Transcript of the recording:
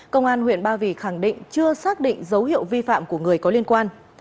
công an huyện ba vì khẳng định chưa xác định dấu hiệu vi phạm của người có liên quan